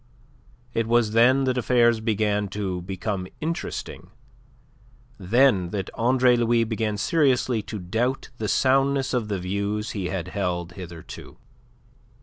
It was then that affairs began to become interesting, then that Andre Louis began seriously to doubt the soundness of the views he had held hitherto.